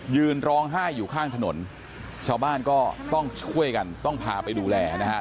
ยืนร้องไห้อยู่ข้างถนนชาวบ้านก็ต้องช่วยกันต้องพาไปดูแลนะครับ